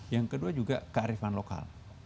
yang kedua juga kearifan lokal